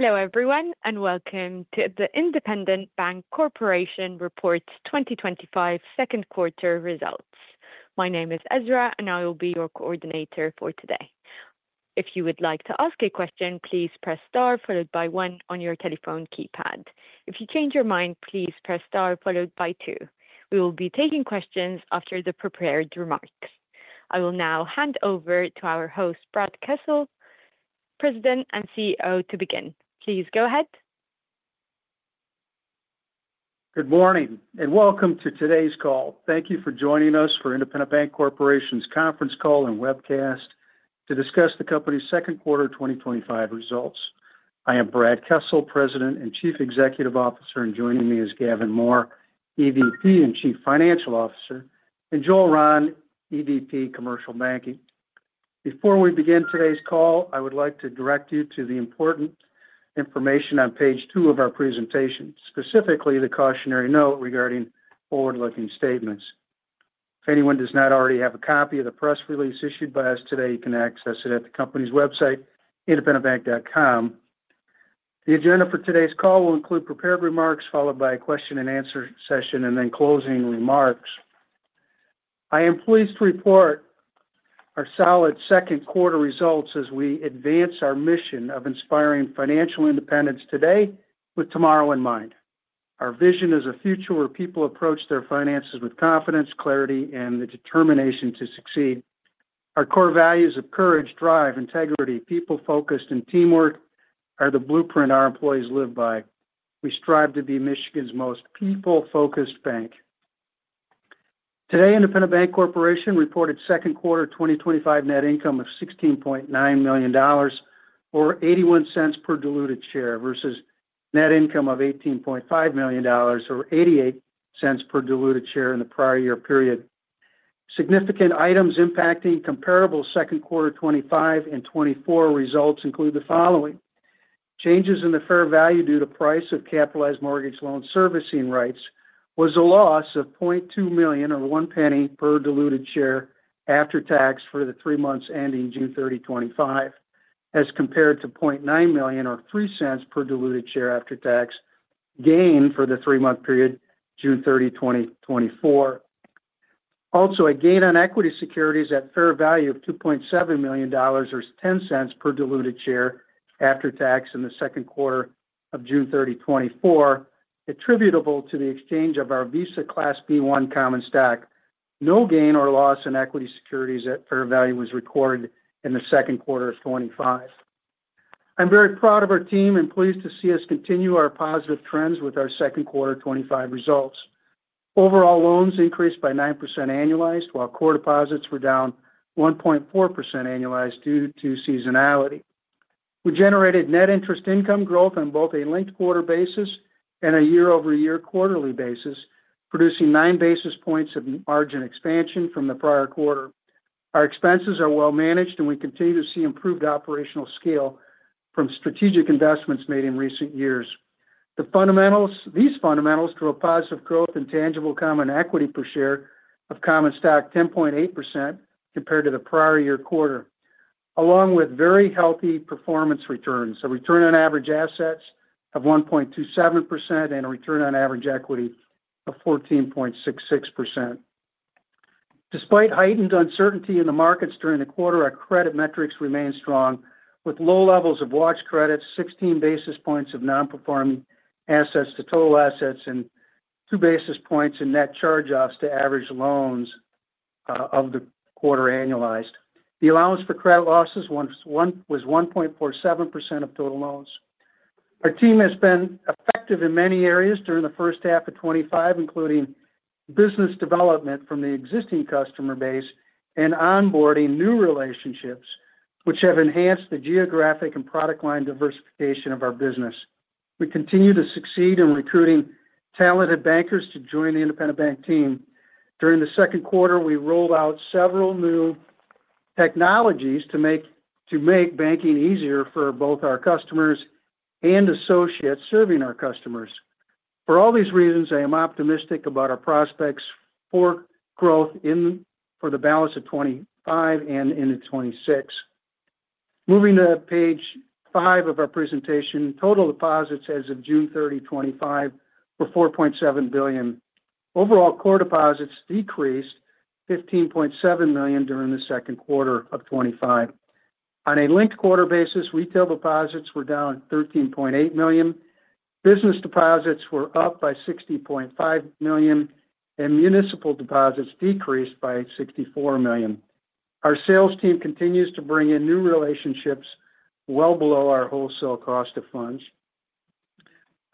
Hello everyone and welcome to the Independent Bank Corporation report 2025 second quarter results. My name is Ezra and I will be your coordinator for today. If you would like to ask a question, please press star followed by one on your telephone keypad. If you change your mind, please press star followed by two. We will be taking questions after the prepared remarks. I will now hand over to our host, Brad Kessel, President and CEO, to begin. Please go ahead. Good morning and welcome to today's call. Thank you for joining us for Independent Bank Corporation's conference call and webcast to discuss the company's second quarter 2025 results. I am Brad Kessel, President and Chief Executive Officer, and joining me is Gavin Moore, EVP and Chief Financial Officer, and Joel Rahn, EVP, Commercial Banking. Before we begin today's call, I would like to direct you to the important information on page two of our presentation, specifically the cautionary note regarding forward-looking statements. If anyone does not already have a copy of the press release issued by us today, you can access it at the company's website, independentbank.com. The agenda for today's call will include prepared remarks followed by a question and answer session and then closing remarks. I am pleased to report our solid second quarter results as we advance our mission of inspiring financial independence today with tomorrow in mind. Our vision is a future where people approach their finances with confidence, clarity, and the determination to succeed. Our core values of courage, drive, integrity, people-focused, and teamwork are the blueprint our employees live by. We strive to be Michigan's most people-focused bank. Today, Independent Bank Corporation reported second quarter 2025 net income of $16.9 million or $0.81 per diluted share versus net income of $18.5 million or $0.88 per diluted share in the prior year period. Significant items impacting comparable second quarter 2025 and 2024 results include the following: changes in the fair value due to price of capitalized mortgage loan servicing rights was a loss of $0.2 million or $0.01 per diluted share after tax for the three months ending June 30, 2025 as compared to a $0.9 million or $0.03 per diluted share after tax gain for the three month period June 30, 2024. Also, a gain on equity securities at fair value of $2.7 million or $0.10 per diluted share after tax in the second quarter of June 30, 2024 attributable to the exchange of our Visa Class B1 common stock. No gain or loss in equity securities at fair value was recorded in second quarter 2025. I'm very proud of our team and pleased to see us continue our positive trends with our second quarter 2025 results. Overall, loans increased by 9% annualized while core deposits were down 1.4% annualized due to seasonality. We generated net interest income growth on both a linked quarter basis and a year over year quarterly basis, producing 9 basis points of margin expansion from the prior quarter. Our expenses are well managed, and we continue to see improved operational scale from strategic investments made in recent years. These fundamentals drove positive growth in tangible common equity per share of common stock, 10.8% compared to the prior year quarter, along with very healthy performance returns, a return on average assets of 1.27% and a return on average equity of 14.66%. Despite heightened uncertainty in the markets during the quarter, our credit metrics remain strong with low levels of watch credit, 16 basis points of non-performing assets to total assets, and 2 basis points in net charge-offs to average loans of the quarter. Annualized, the allowance for credit losses was 1.47% of total loans. Our team has been effective in many areas during 1H25, including business development from the existing customer base and onboarding new relationships, which have enhanced the geographic and product line diversification of our business. We continue to succeed in recruiting talented bankers to join the Independent Bank Corporation team. During the second quarter, we rolled out several new technologies to make banking easier for both our customers and associates serving our customers. For all these reasons, I am optimistic about our prospects for growth for the balance of 2025 and into 2026. Moving to page 5 of our presentation, total deposits as of June 30, 2025 were $4.7 billion. Overall, core deposits decreased $15.7 million during second quarter of 2025. On a linked quarter basis, retail deposits were down $13.8 million, business deposits were up by $60.5 million, and municipal deposits decreased by $64 million. Our sales team continues to bring in new relationships well below our wholesale cost of funds.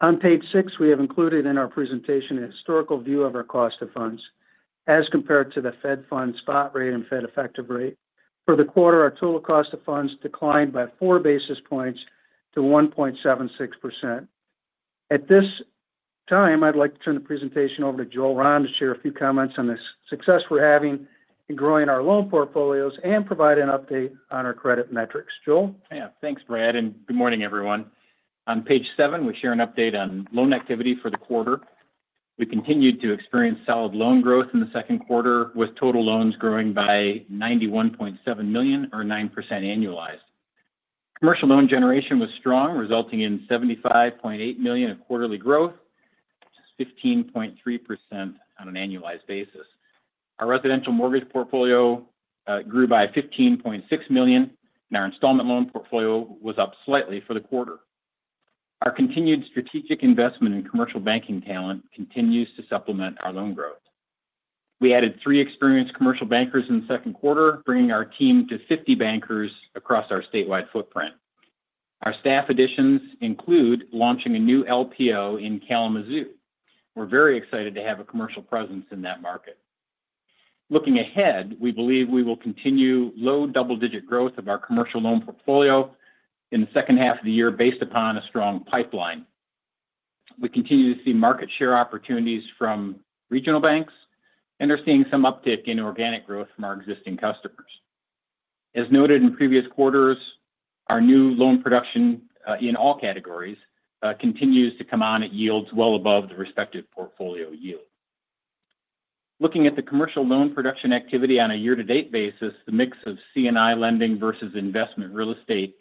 On page six, we have included in our presentation a historical view of our cost of funds as compared to the Fed Funds spot rate and Fed effective rate. For the quarter, our total cost of funds declined by 4 basis points to 1.76%. At this time, I'd like to turn the presentation over to Joel Rahn to share a few comments on the success we're having in growing our loan portfolios and provide an update on our credit metrics. Yeah, thanks Brad and good morning everyone. On page seven we share an update on loan activity for the quarter. We continued to experience solid loan growth in the second quarter with total loans growing by $91.7 million or 9%. Annualized commercial loan generation was strong, resulting in $75.8 million of quarterly growth, 15.3% on an annualized basis. Our residential mortgage portfolio grew by $15.6 million and our installment loan portfolio was up slightly for the quarter. Our continued strategic investment in commercial banking talent continues to supplement our loan growth. We added three experienced commercial bankers in the second quarter, bringing our team to 50 bankers across our statewide footprint. Our staff additions include launching a new loan production office in Kalamazoo. We're very excited to have a commercial presence in that market. Looking ahead, we believe we will continue low double digit growth of our commercial loan portfolio in the second half of the year based upon a strong pipeline. We continue to see market share opportunities from regional banks and are seeing some uptick in organic growth from our existing customers. As noted in previous quarters, our new loan production in all categories continues to come on at yields well above the respective portfolio yield. Looking at the commercial loan production activity on a year to date basis, the mix of C&I lending versus investment real estate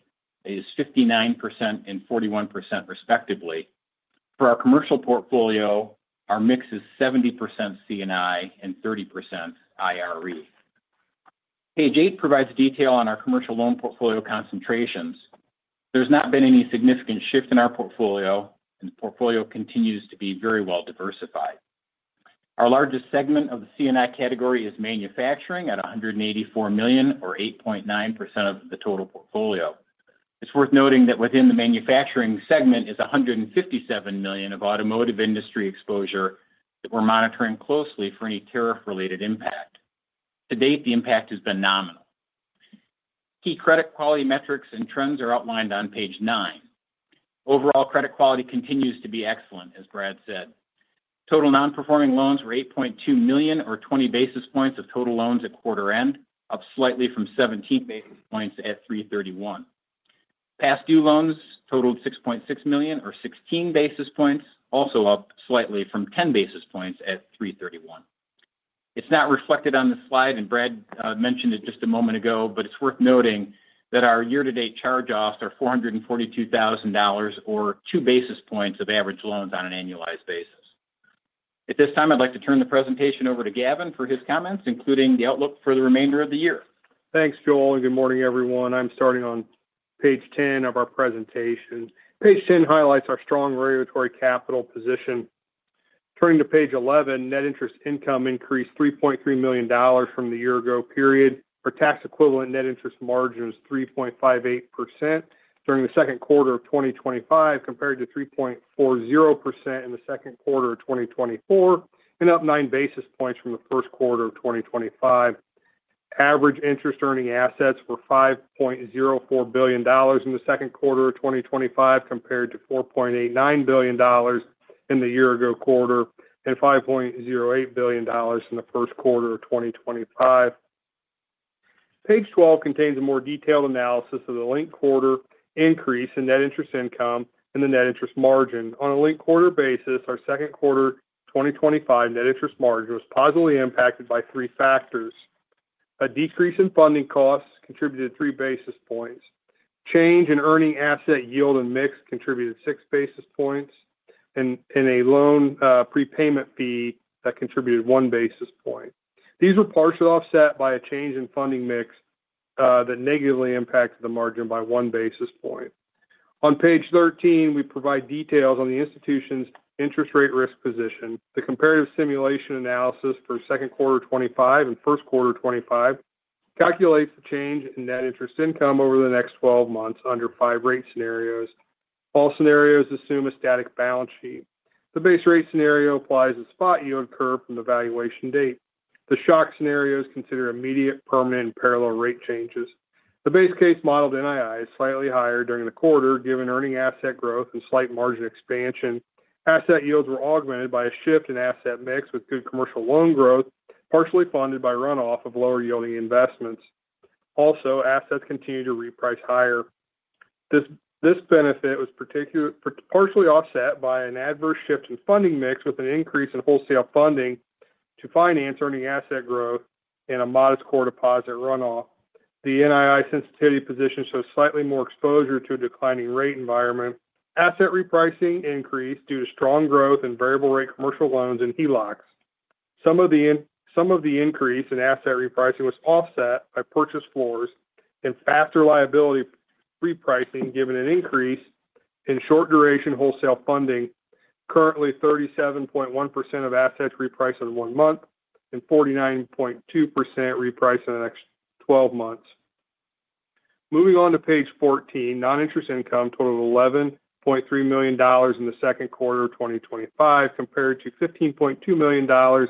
is 59% and 41% respectively. For our commercial portfolio, our mix is 70% C&I and 30% IRE. Page eight provides detail on our commercial loan portfolio concentrations. There has not been any significant shift in our portfolio and portfolio continues to be very well diversified. Our largest segment of the C&I category is manufacturing at $184 million or 8.9% of the total portfolio. It's worth noting that within the manufacturing segment is $157 million of automotive industry exposure that we're monitoring closely for any tariff related impact. To date, the impact has been nominal. Key credit quality metrics and trends are outlined on page nine. Overall credit quality continues to be excellent. As Brad said, total non-performing loans were $8.2 million or 20 basis points of total loans at quarter end, up slightly from 17 basis points at March 31. Past due loans totaled $6.6 million or 16 basis points, also up slightly from 10 basis points at March 31. It's not reflected on the slide and Brad mentioned it just a moment ago, but it's worth noting that our year to date charge-offs are $442,000 or 2 basis points of average loans on an annualized basis. At this time, I'd like to turn the presentation over to Gavin for his comments including the outlook for the remainder of the year. Thanks Joel and good morning everyone. I'm starting on page 10 of our presentation. Page 10 highlights our strong regulatory capital position. Turning to page 11, net interest income increased $3.3 million from the year ago period on a tax equivalent basis. Net interest margin is 3.58% during the second quarter of 2025 compared to 3.40% in the second quarter of 2024 and up 9 basis points from the first quarter of 2025. Average interest earning assets were $5.04 billion in the second quarter of 2025 compared to $4.89 billion in the year ago quarter and $5.08 billion in the first quarter of 2025. Page 12 contains a more detailed analysis of the linked quarter increase in net interest income and the net interest margin on a linked quarter basis. Our second quarter 2025 net interest margin was positively impacted by three factors. A decrease in funding costs contributed 3 basis points. Change in earning asset yield and mix contributed 6 basis points and a loan prepayment fee contributed 1 basis point. These were partially offset by a change in funding mix that negatively impacted the margin by 1 basis point. On page 13, we provide details on the institution's interest rate risk position. The comparative simulation analysis for second quarter 2025 and first quarter 2025 calculates the change in net interest income over the next 12 months under five rate scenarios. All scenarios assume a static balance sheet. The base rate scenario applies the spot yield curve from the valuation date. The shock scenarios consider immediate, permanent, and parallel rate changes. The base case modeled NII is slightly higher during the quarter given earning asset growth and slight margin expansion. Asset yields were augmented by a shift in asset mix with good commercial loan growth partially funded by runoff of lower yielding investments. Also, assets continue to reprice higher. This benefit was partially offset by an adverse shift in funding mix with an increase in wholesale funding to finance earning asset growth and a modest core deposit runoff. The NII sensitivity position shows slightly more exposure to a declining rate environment. Asset repricing increased due to strong growth in variable rate commercial loans and HELOCs. Some of the increase in asset repricing was offset by purchase floors and faster liability repricing given an increase in short duration wholesale funding. Currently, 37.1% of assets repriced in one month and 49.2% repriced in the next 12 months. Moving on to page 14, non-interest income totaled $11.3 million in the second quarter 2025 compared to $15.2 million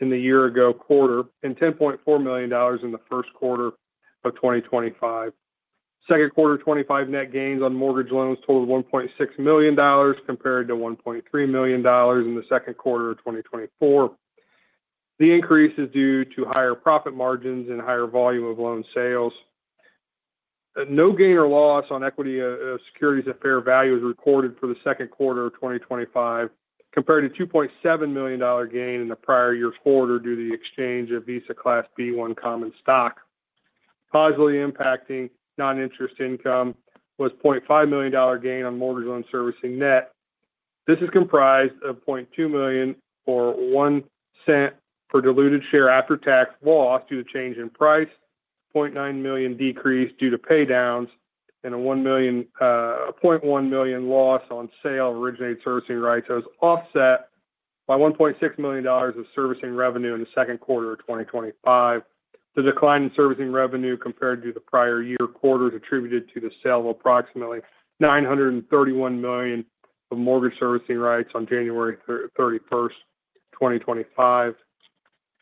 in the year-ago quarter and $10.4 million in the first quarter of 2025. Second quarter 2025 net gains on mortgage loans totaled $1.6 million compared to $1.3 million in the second quarter of 2024. The increase is due to higher profit margins and higher volume of loan sales. No gain or loss on equity securities at fair value is recorded for the second quarter of 2025 compared to a $2.7 million gain in the prior year's quarter due to the exchange of Visa Class B1 common stock. Positively impacting non-interest income was a $0.5 million gain on mortgage loan servicing net. This is comprised of a $0.2 million, or $0.01 per diluted share after-tax loss due to change in price, a $0.9 million decrease due to paydowns, and a $1.1 million loss on sale of originated servicing rights as offset by $1.6 million of servicing revenue in the second quarter of 2025. The decline in servicing revenue compared to the prior year quarter is attributed to the sale of approximately $931 million of mortgage servicing rights on January 31, 2025.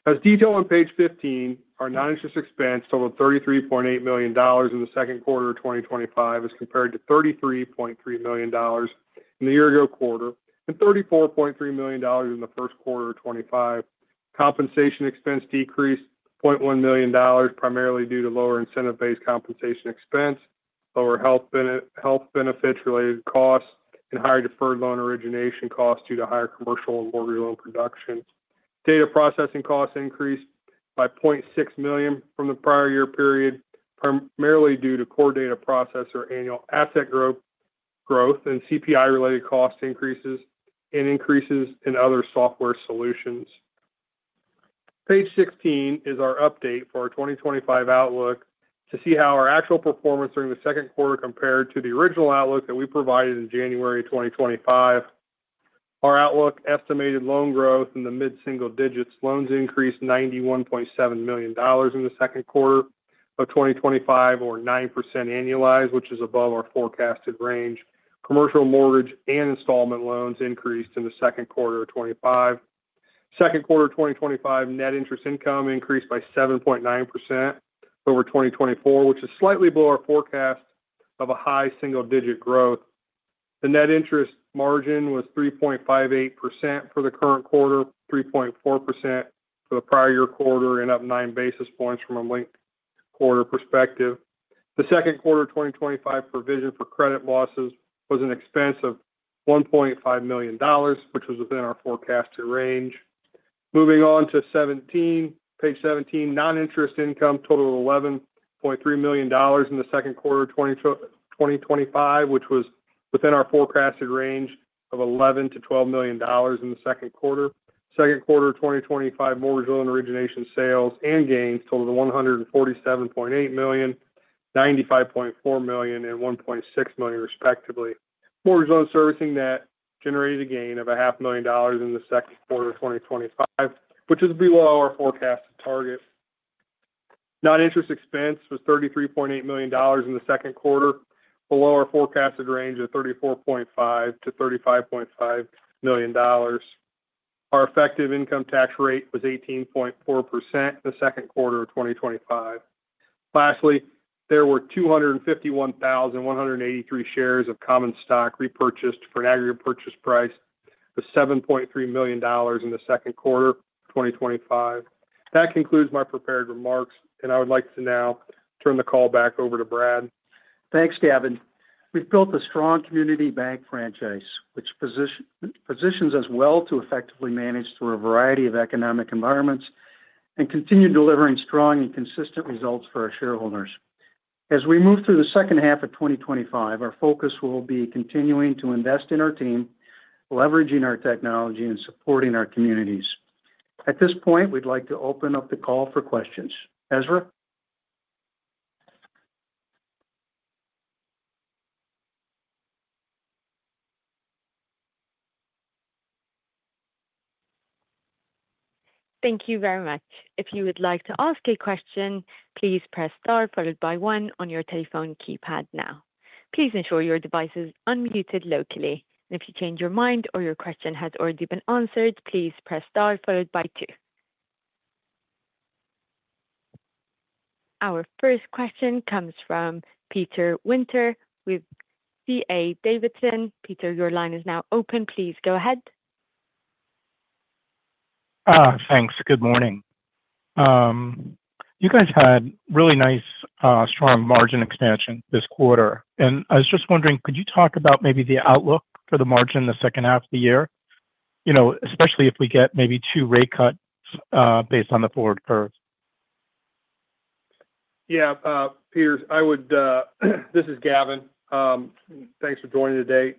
As detailed on page 15, our non-interest expense totaled $33.8 million in the second quarter 2025 as compared to $33.3 million in the year-ago quarter and $34.3 million in the first quarter 2025. Compensation expense decreased $0.1 million primarily due to lower incentive-based compensation expense, lower health benefits-related costs, and higher deferred loan origination costs due to higher commercial and mortgage loan production. Data processing costs increased by $0.6 million from the prior year period primarily due to core data processor annual asset growth and CPI-related cost increases and increases in other software solutions. Page 16 is our update for our 2025 outlook to see how our actual performance during the second quarter compared to the original outlook that we provided in January 2025. Our outlook estimated loan growth in the mid-single digits. Loans increased $91.7 million in the second quarter of 2025, or 9% annualized, which is above our forecasted range. Commercial, mortgage, and installment loans increased in second quarter of 2025. Net interest income increased by 7.9% over 2024, which is slightly below our forecast of a high single-digit growth. The net interest margin was 3.58% for the current quarter, 3.4% for the prior year quarter, and up 9 basis points. From a linked quarter perspective, the second quarter 2025 provision for credit losses was an expense of $1.5 million, which was within our forecasted range. Moving on to page 17, non-interest income totaled $11.3 million in the second quarter 2025, which was within our forecasted range of $11 million to $12 million in the second quarter 2025. Mortgage loan origination, sales, and gains totaled $147.8 million, $95.4 million, and $1.6 million, respectively. Mortgage loan servicing net generated a gain of $0.5 million in the second quarter 2025, which is below our forecast target. Non-interest expense was $33.8 million in the second quarter, below our forecasted range of $34.5 million to $35.5 million. Our effective income tax rate was 18.4% in the second quarter of 2025. Lastly, there were 251,183 shares of common stock repurchased for an aggregate purchase price of $7.3 million in the second quarter 2025. That concludes my prepared remarks and I would like to now turn the call back over to Brad. Thanks, Gavin. We've built a strong community bank franchise, which positions us well to effectively manage through a variety of economic environments and continue delivering strong and consistent results for our shareholders. As we move through the second half of 2025, our focus will be continuing to invest in our team, leveraging our technology, and supporting our communities. At this point, we'd like to open up the call for questions. Ezra. Thank you very much. If you would like to ask a question, please press star followed by one on your telephone keypad. Please ensure your device is unmuted locally. If you change your mind or your question has already been answered, please press star followed by two. Our first question comes from Peter Winter with D.A. Davidson. Peter, your line is now open. Please go ahead. Thanks. Good morning. You guys had really nice strong margin expansion this quarter, and I was just wondering, could you talk about maybe the outlook for the margin the second half of the year? You know, especially if we get maybe 2 rate cuts based on the forward curve. Yeah Peters, I would. This is Gavin. Thanks for joining today.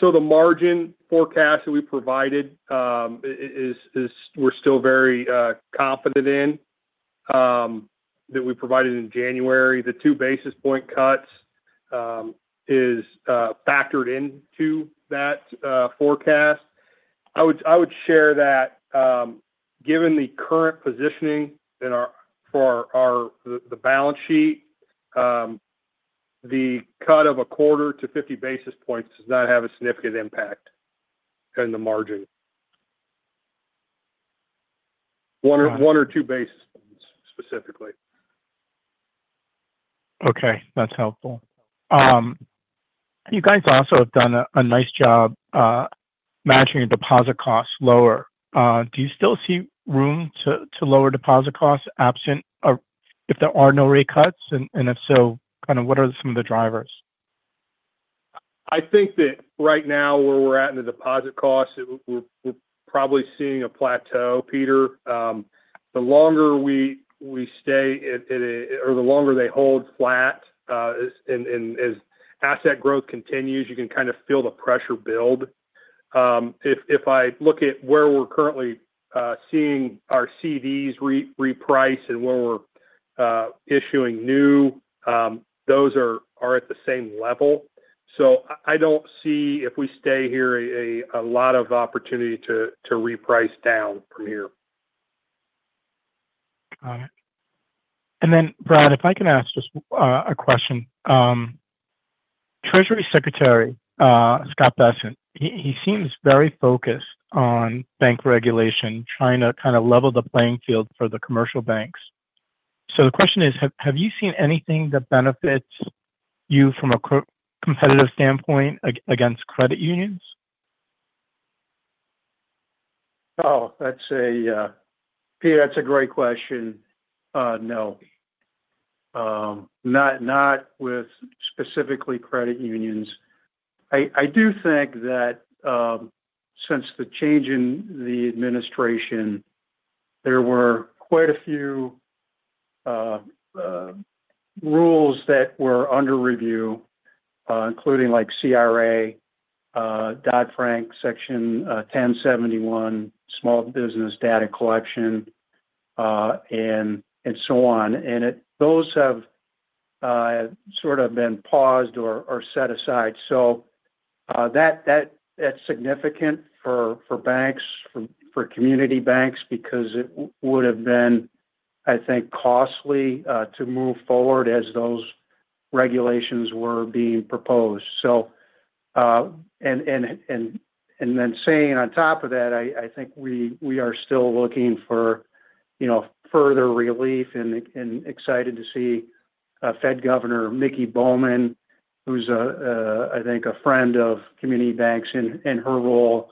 The margin forecast that we provided is, we're still very confident in that we provided in January. The two basis point cuts is factored in to that forecast. I would share that given the current positioning in our balance sheet, the cut of a quarter to 50 basis points does not have a significant impact in the margin, one or two basis specifically. Okay, that's helpful. You guys also have done a nice job managing your deposit costs. Do you still see room to lower deposit costs absent if there are no rate cuts, and if so, kind what are some of the drivers? I think that right now where we're at in the deposit costs, we're probably seeing a plateau, Peter. The longer we stay or the longer they hold flat as asset growth continues, you can kind of feel the pressure build. If I look at where we're currently seeing our CDs reprice and where we're issuing new, those are at the same level. I don't see if we stay here, a lot of opportunity to reprice down here. Brad, if I can ask just a question, Treasury Secretary Scott Bessent, he seems very focused on bank regulation, trying to kind of level the playing field for the commercial banks. The question is, have you seen anything that benefits you from a competitive standpoint against credit unions? Oh, that's a great question, Peter. No. Not with specifically credit unions. I do think that since the change in the administration there were quite a. Few. Rules that were under review, including CRA, Dodd-Frank, Section 1071, small business data collection, and so on, have sort of been paused or set aside. That's significant for banks, for community banks, because it would have been, I think, costly to move forward as those regulations were being proposed. I think we are still looking for further relief and excited to see Federal Reserve Governor Michelle Bowman, who's, I think, a friend of community banks in her role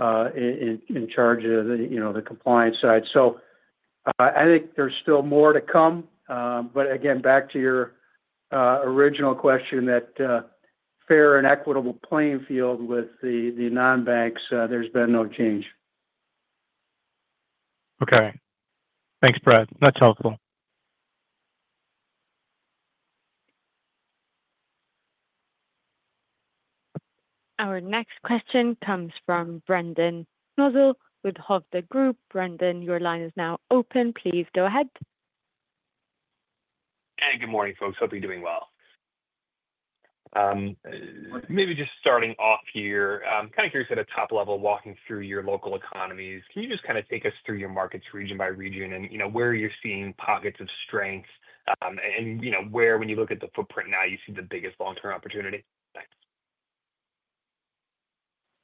in charge of the compliance side. I think there's still more to come. Again, back to your original question, that fair and equitable playing field with the non-banks, there's been no change. Okay, thanks Brad, that's helpful. Our next question comes from Brendan Nosal with Hovde Group. Brendan, your line is now open. Please go ahead. Good morning folks. Hope you're doing well. Maybe just starting off here, kind of curious at a top level, walking through your local economies, can you just kind of take us through your markets region by region, and you know where you're seeing pockets of strength and you know where when you look at the footprint now you see the biggest long term opportunity. Thanks.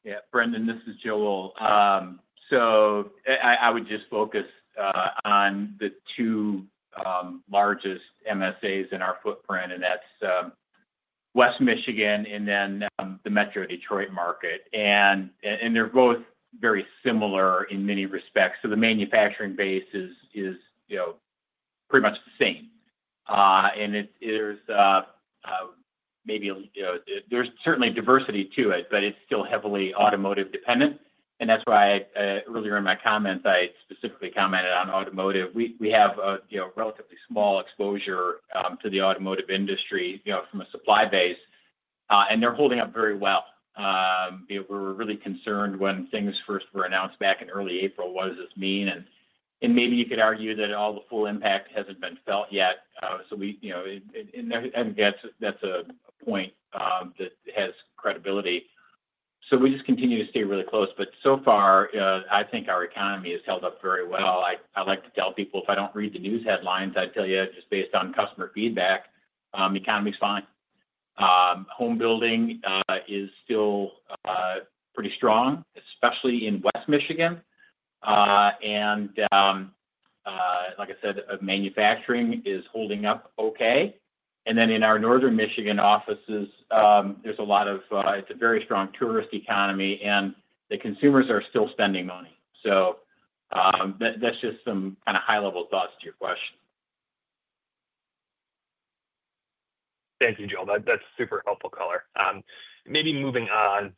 Yeah Brendan, this is Joel. I would just focus on the two largest MSAs in our footprint and that's West Michigan and then the metro Detroit market. They're both very similar in many respects. The manufacturing base is pretty much the same. There is certainly diversity to it, but it's still heavily automotive dependent. That's why earlier in my comments I specifically commented on automotive. We have relatively small exposure to the automotive industry from a supply base and they're holding up very well. We were really concerned when things first were announced back in early April. What does this mean? Maybe you could argue that all the full impact hasn't been felt yet. That's a point that has credibility. We just continue to stay really close. So far I think our economy has held up very well. I like to tell people if I don't read the news headlines, I tell you just based on customer feedback, economy's fine. Home building is still pretty strong, especially in West Michigan. Like I said, manufacturing is holding up okay. In our northern Michigan offices there's a lot of, it's a very strong tourist economy and the consumers are still spending money. That's just some kind of high level thoughts to your question. Thank you, Joel. That's super helpful. Maybe moving on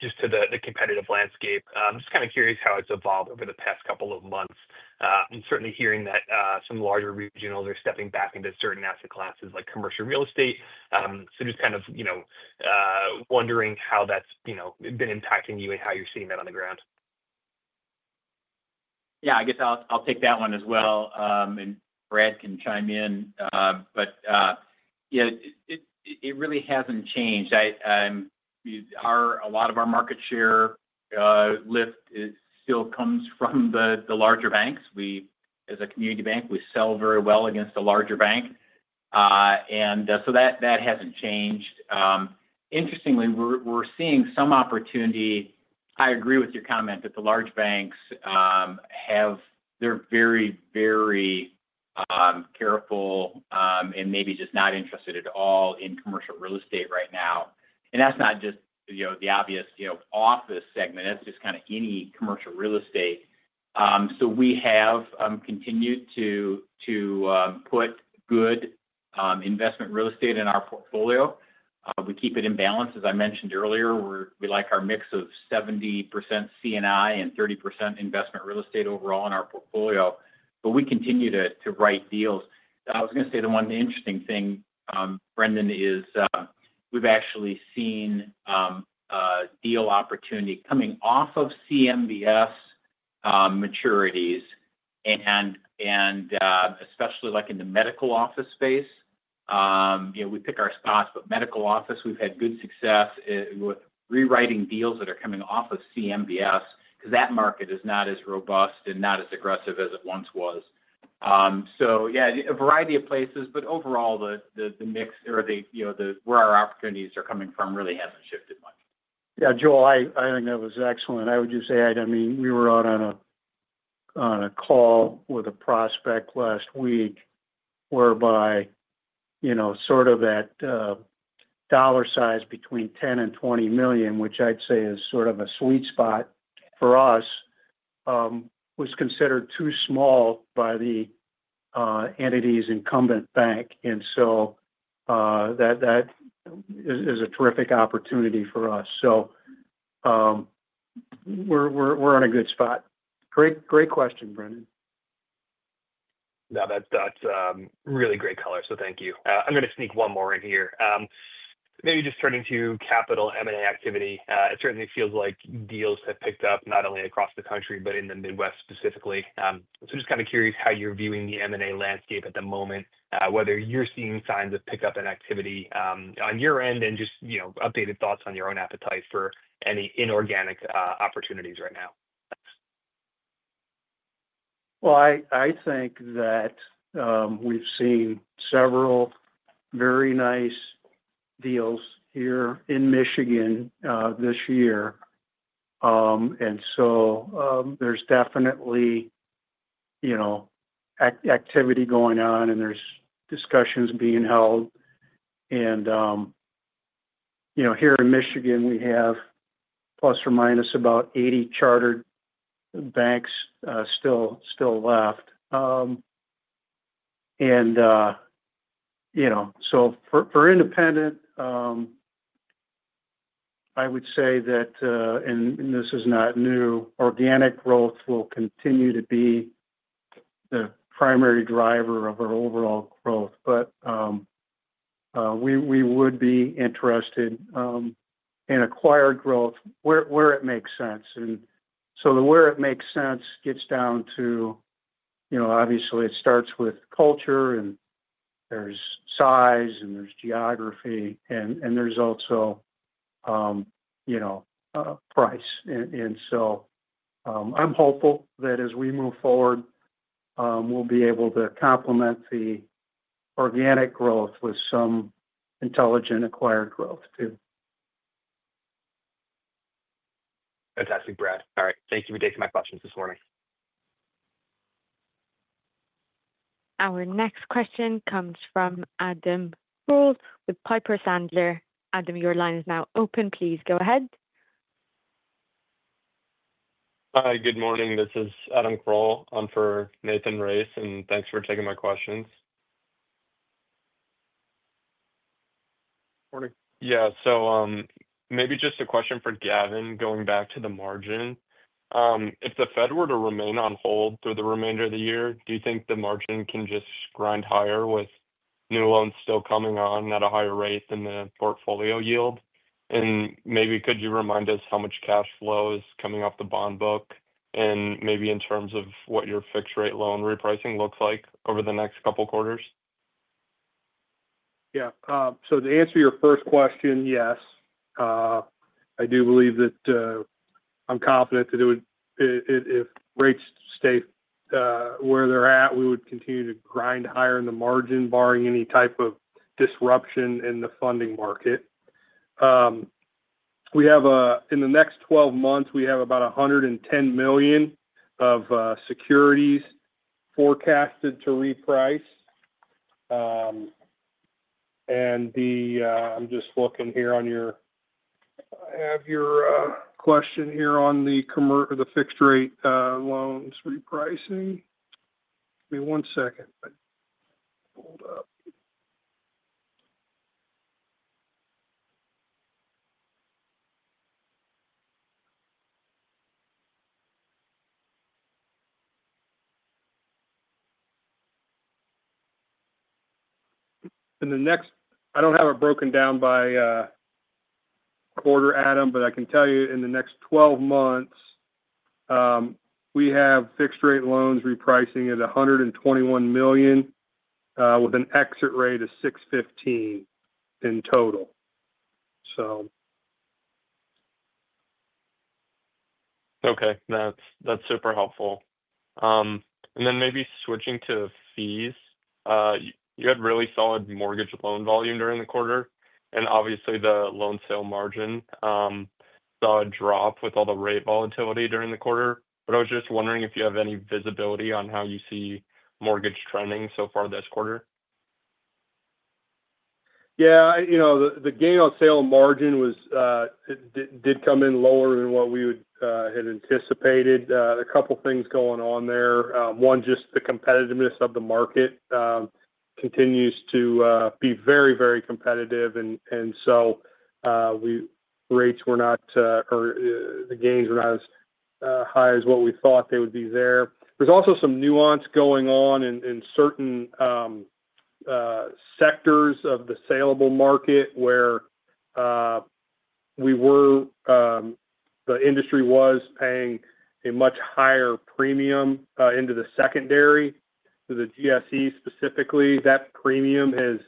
just to the competitive landscape. I'm just kind of curious how it's evolved over the past couple of months and certainly hearing that some larger regionals are stepping back into certain asset classes like commercial real estate. Just kind of, you know, wondering how that's, you know, been impacting you and how you're seeing that on the ground? Yeah, I guess I'll take that one as well. Brad can chime in. It really hasn't changed. A lot of our market share lift still comes from the larger banks. We, as a community bank, sell very well against a larger bank. That hasn't changed. Interestingly, we're seeing some opportunity. I agree with your comment that the large banks are very big, very careful and maybe just not interested at all in commercial real estate right now. That's not just, you know, the obvious office segment, that's just kind of any commercial real estate. We have continued to put good investment real estate in our portfolio, but we keep it in balance. As I mentioned earlier, we like our mix of 70% C&I and 30% investment real estate overall in our portfolio. We continue to write deals. I was going to say the one interesting thing, Brendan, is we've actually seen deal opportunity coming off of CMBS maturities and especially in the medical office space. We pick our spots, but medical office, we've had good success with rewriting deals that are coming off of CMBS because that market is not as robust and not as aggressive as it once was. A variety of places, but overall the mix or where our opportunities are coming from really hasn't shifted much. Yeah, Joel, I think that was excellent. I would just add, I mean, we were out on a call with a prospect last week whereby, you know, sort of that dollar size between $10 million and $20 million, which I'd say is sort of a sweet spot for us, was considered too small by the entity's incumbent bank. That is a terrific opportunity for us. So. We're in a good spot. Great, great question, Brendan. Now, that's really great color. Thank you. I'm going to sneak one more in here. Maybe just turning to capital M&A activity. It certainly feels like deals have picked up not only across the country but in the Midwest specifically. Just kind of curious how you're viewing the M&A landscape at the moment, whether you're seeing signs of pickup in activity on your end, and updated thoughts on your own appetite for any inorganic opportunities right now? I think that we've seen several very nice deals here in Michigan this year. There's definitely activity going on and there's discussions being held. Here in Michigan we have plus or minus about 80 chartered banks still left. For Independent, I would say that this is not new, organic growth will continue to be the primary driver. Of our overall growth, we would. Be interested in acquired growth where it makes sense. Where it makes sense gets down to, you know, obviously it starts with culture and there's size and there's geography, and there's also, you know, price. I'm hopeful that as we move forward, we'll be able to complement the organic growth with some intelligent acquired growth too. Fantastic, Brad. All right, thank you for taking my questions this morning. Our next question comes from Adam Kroll with Piper Sandler. Adam, your line is now open. Please go ahead. Hi, good morning. This is Adam Kroll on for Nathan Race. Thanks for taking my questions. Maybe just a question for Gavin. Going back to the margin, if the Federal Reserve were to remain on hold through the remainder of the year, do you think the margin can just grind higher with new loans still coming on at a higher rate than the portfolio yield? Could you remind us how much cash flow is coming off the bond book and in terms of what your fixed rate loan repricing looks like over the next couple quarters? Yeah. To answer your first question, yes, I do believe that I'm confident that it would, if rates stay where they're at, we would continue to grind higher in the margin barring any type of disruption in the funding market. In the next 12 months, we have about $110 million of securities forecasted to reprice. I'm just looking here on your question on the commerce, the fixed rate loans repricing. Give me one second. I don't have it broken down by quarter, Adam, but I can tell you in the next 12 months. We have. Fixed rate loans repricing at $121 million with an exit rate of 6.15% in total. So. Okay, that's super helpful. Maybe switching to fees, you had really solid mortgage loan volume during the quarter and obviously the loan sale margin saw a drop with all the rate volatility during the quarter. I was just wondering if you have any visibility on how you see mortgage loan trending so far this quarter? Yeah, you know the gain on sale margin did come in lower than what we would have anticipated. A couple things going on there. One, just the competitiveness of the market continues to be very, very competitive. Rates were not, or the gains were not as high as what we thought they would be. There's also some nuance going on in. Certain. Sectors of the saleable market. Where we were, the industry was paying a much higher premium into the secondary. The GSE, specifically, that premium has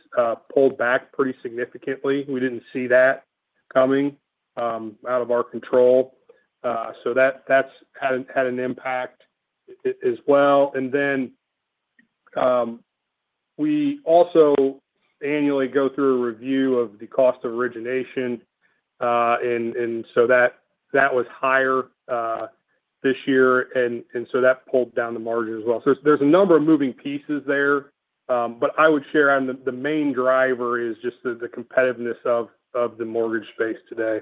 pulled back pretty significantly. We didn't see that coming out of our control. That has had an impact as well. We also annually go through a review of the cost of origination, and that was higher this year, which pulled down the margin as well. There are a number of moving pieces there. I would share the main driver is just the competitiveness of the mortgage space today.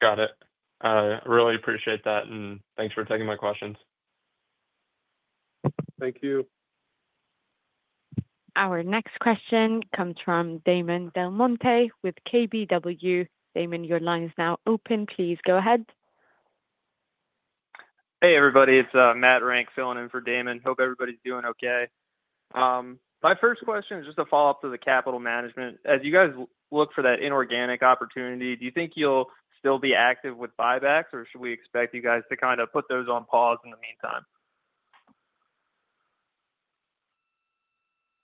Got it. I really appreciate that, and thanks for taking my questions. Thank you. Our next question comes from Damon DelMonte with KBW. Damon, your line is now open. Please go ahead. Hey everybody, it's Matt Rank filling in for Damon. Hope everybody's doing okay. My first question is just a follow-up. Up to the capital management. As you guys look for that inorganic opportunity. Do you think you'll still be active? With buybacks, or should we expect you? Guys, to kind of put those on. Pause in the meantime?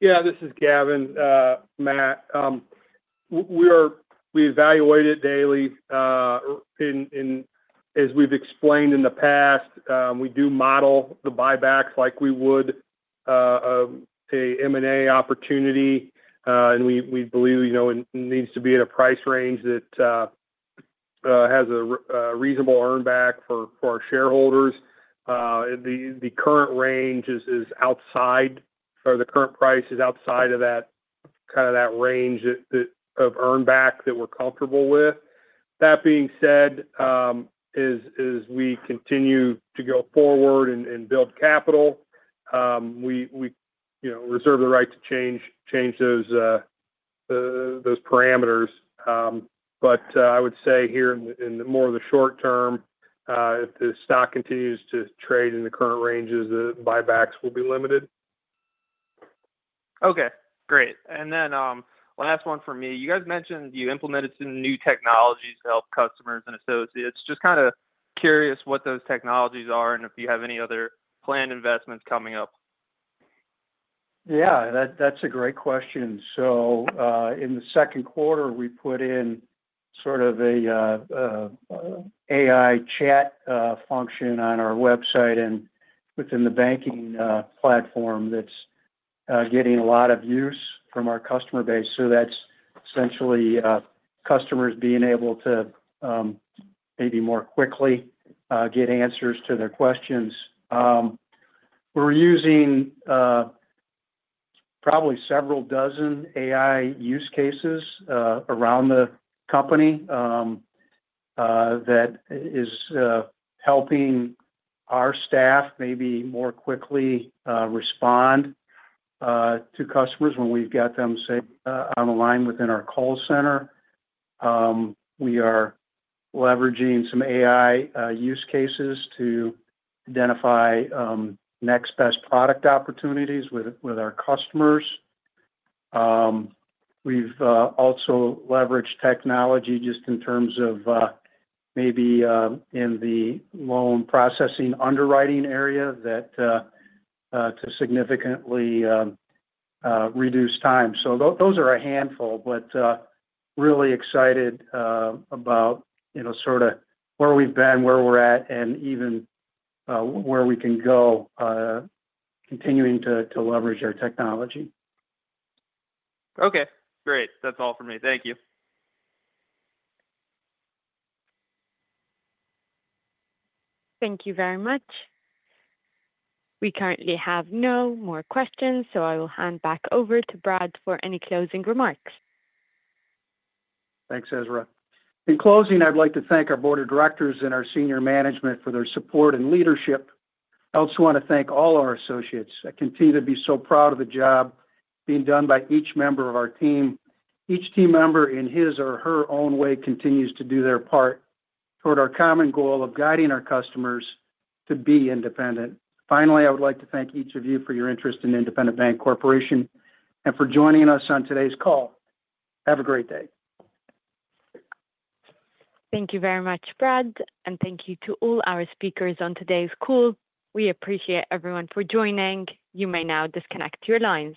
Yeah, this is Gavin, Matt. We evaluate it daily. As we've explained in the past, we do model the buybacks like we would an M&A opportunity. We believe it needs to be at a price range that has a reasonable earn back for our shareholders. The current range is outside, or the current price is outside of that range of earn back that we're comfortable with. That being said, as we continue to go forward and build capital, we reserve the right to change those parameters. I would say here, in more of the short term, if the stock continues to trade in the current ranges, the buybacks will be limited. Okay, great. Last one for me. You guys mentioned you implemented some new. Technologies to help customers and associates. Just kind of curious what those technologies are, and if you have any other planned investments coming up? Yeah, that's a great question. In the second quarter, we put in sort of an AI chat function on our website and within the banking platform that's getting a lot of use from our customer base. That's essentially customers being able to maybe more quickly get answers to their questions. We're using probably several dozen AI use cases around the company that is helping our staff maybe more quickly respond to customers when we've got them set on the line. Within our call center, we are leveraging some AI use cases to identify next best product opportunities with our customers. We've also leveraged technology just in terms of maybe in the loan processing, underwriting area to significantly reduce time. Those are a handful. Really excited about, you know, sort. Of where we've been, where we're at. We can go continuing to leverage our technology. Okay, great. That's all for me. Thank you. Thank you very much. We currently have no more questions, so I will hand back over to Brad for any closing remarks. Thanks, Ezra. In closing, I'd like to thank our Board of Directors and our Senior Management for their support and leadership. I also want to thank all our associates. I continue to be so proud of the job being done by each member of our team. Each team member, in his or her own way, continues to do their part toward our common goal of guiding our customers to be independent. Finally, I would like to thank each of you for your interest in Independent Bank Corporation and for joining us on today's call. Have a great day. Thank you very much, Brad. Thank you to all our speakers on today's call. We appreciate everyone for joining. You may now disconnect your lines.